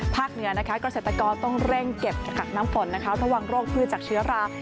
ภาคเหนือกระเศรษฐกรต้องเร่งเก็บกับกับน้ำฝนระหว่างโรคพืชจากเชื้อรา